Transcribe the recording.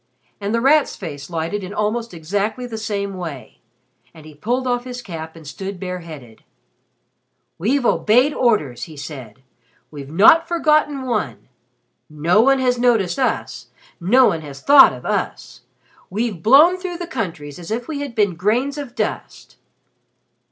And The Rat's face lighted in almost exactly the same way. And he pulled off his cap and stood bare headed. "We've obeyed orders," he said. "We've not forgotten one. No one has noticed us, no one has thought of us. We've blown through the countries as if we had been grains of dust."